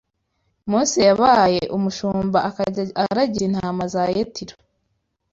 Mose yabaye umushumba akajya aragira intama za Yetiro.